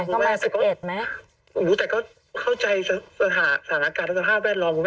ก็มาสิบเอ็ดไหมอู๋แต่ก็เข้าใจสถาสถาสถาสภาพแวดลองคุณแม่